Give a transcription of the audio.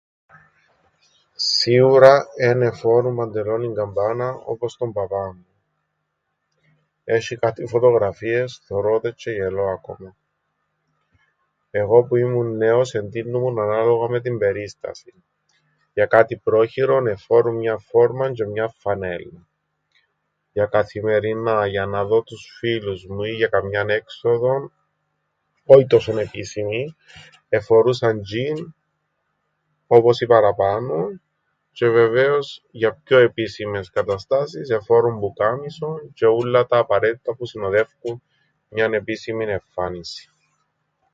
Σίουρα εν εφόρουν παντελόνιν καμπάνα όπως τον παπάν μου. Έσ̆ει κάτι φωτογραφίες θωρώ τες τζ̆αι γελώ ακόμα. Εγώ που ήμουν νέος εντύννουμουν ανάλογα με την περίστασην. Για κάτι πρόχειρον εφόρουν μιαν φόρμαν τζ̆αι μιαν φανέλλαν. Για καθημερινά για να δω τους φίλους μου ή καμίαν έξοδον όι τόσον επίσημην εφορούσα τζ̆ιν όπως οι παραπάνω, τζ̆αι βεβαίως για πιο επίσημες καταστάσεις εφόρουν πουκάμισον τζ̆αι ούλλα τα απαραίτητα που συνοδεύκουν μιαν επίσημην εμφάνισην.